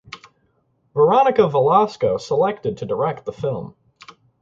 Veronica Velasco selected to direct the film.